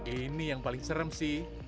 ini yang paling serem sih